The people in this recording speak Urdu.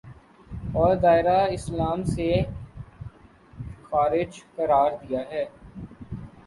اور دائرۂ اسلام سے خارج قرار دیا ہے